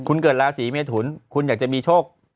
คุณเกิดราศีเมทุนคุณอยากจะมีโชค